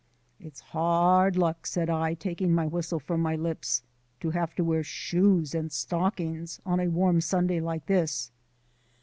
"It's hard luck," said I, taking my whistle from my lips, "to have to wear shoes and stockings on a warm Sunday like this."